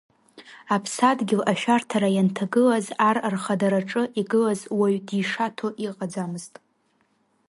Аԥсадгьыл ашәарҭара ианҭагылаз Ар рхадараҿы игылаз уаҩ дишаҭо иҟаӡамызт.